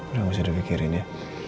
udah gak usah dipikirin ya